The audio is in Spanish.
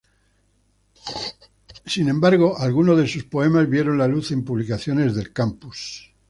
Sin embargo, algunos de sus poemas vieron la luz en publicaciones del campus.